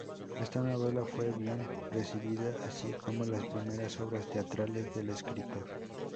Esta novela fue bien recibida, así como las primeras obras teatrales del escritor.